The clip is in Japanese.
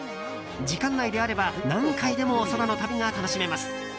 時間内であれば何回でも空の旅が楽しめます。